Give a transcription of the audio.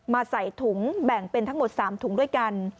ใส่ถุงแบ่งเป็นทั้งหมด๓ถุงด้วยกัน